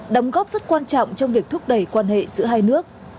đóng góp rất quan trọng trong việc thúc đẩy quan hệ giữa hai nước